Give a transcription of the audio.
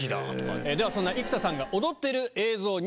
ではそんな生田さんが踊ってる映像を入手しました。